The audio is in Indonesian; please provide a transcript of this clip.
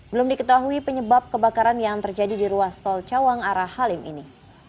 belum diketahui penyebab kebakaran yang terjadi di ruas tol cawang arah halim ini